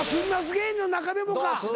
芸人の中でもか。